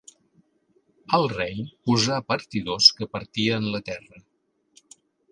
El rei posà partidors que partien la terra.